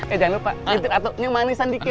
eh jangan lupa nyitip atuknya manisan dikit